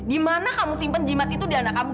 di mana kamu simpen jimat itu di anak kamu